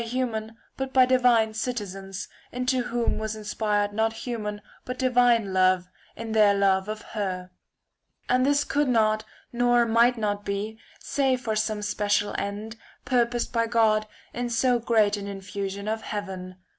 THE FOURTH TREATISE 249 human but by divine citizens, into whom was Divine inspired not human but divine love, in their love citizens of of her. And this could not nor might not be, *^o™c save for some special end, purposed by God in so great an infusion of heaven.